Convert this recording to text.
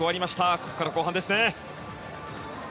ここから後半ですね。